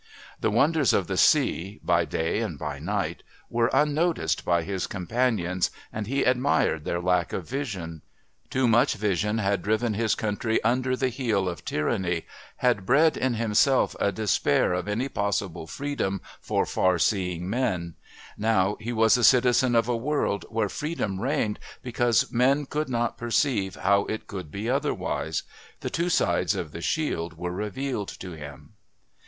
The wonders of the sea, by day and by night, were unnoticed by his companions, and he admired their lack of vision. Too much vision had driven his country under the heel of Tyranny, had bred in himself a despair of any possible freedom for far seeing men; now he was a citizen of a world where freedom reigned because men could not perceive how it could be otherwise; the two sides of the shield were revealed to him.